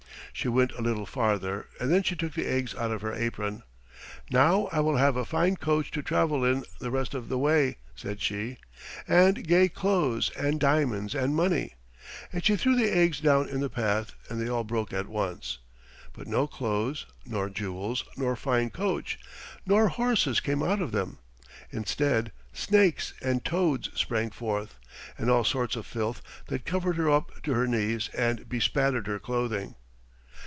She went a little farther, and then she took the eggs out of her apron. "Now I will have a fine coach to travel in the rest of the way," said she, "and gay clothes and diamonds and money," and she threw the eggs down in the path, and they all broke at once. But no clothes, nor jewels, nor fine coach, nor horses came out of them. Instead snakes and toads sprang forth, and all sorts of filth that covered her up to her knees and bespattered her clothing.